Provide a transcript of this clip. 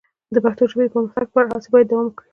د پښتو ژبې د پرمختګ لپاره هڅې باید دوام وکړي.